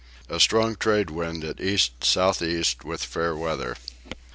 A strong tradewind at east south east with fair weather.